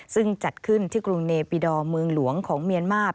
ซึ่งจัดขึ้นที่กรุงเนปิดอร์เมืองหลวงของเมียนมาร์